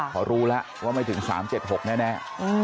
ขอรู้ล่ะว่าไม่ถึงสามเจ็ดหกแน่